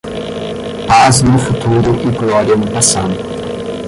Paz no futuro e glória no passado